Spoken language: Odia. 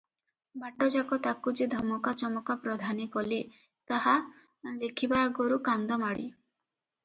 ବାଟଯାକ ତାକୁ ଯେ ଧମକା ଚମକା ପ୍ରଧାନେ କଲେ ତାହା ଲେଖିବା ଆଗରୁ କାନ୍ଦମାଡ଼େ ।